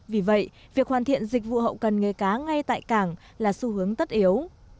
vì vậy việc hoàn thiện dịch vụ hậu cần nghề cá ngay tại cảng là xu hướng tất yếu